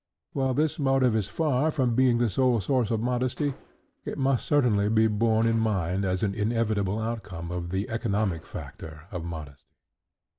While this motive is far from being the sole source of modesty, it must certainly be borne in mind as an inevitable outcome of the economic factor of modesty.